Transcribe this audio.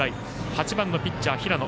８番のピッチャーの平野。